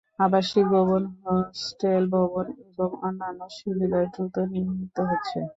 আবাসিক ভবন, হোস্টেল ভবন এবং অন্যান্য সুবিধা দ্রুত নির্মিত হচ্ছে।